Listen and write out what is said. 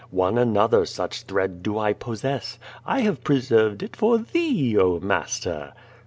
One another such thread do I pos sess. I have preserved it for thee, oh, master!"